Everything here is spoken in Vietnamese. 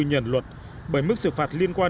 nhận luật bởi mức xử phạt liên quan